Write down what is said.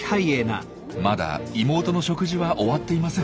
まだ妹の食事は終わっていません。